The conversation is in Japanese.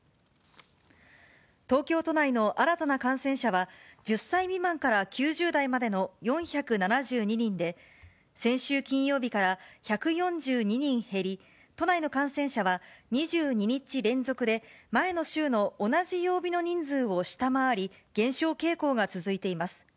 東京都内の新たな感染者は、１０歳未満から９０代までの４７２人で、先週金曜日から１４２人減り、都内の感染者は２２日連続で前の週の同じ曜日の人数を下回り、減少傾向が続いています。